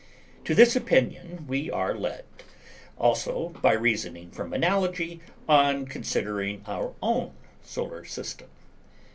To this opinion we are led, also, by reasoning from analogy, on considering our own Solar System.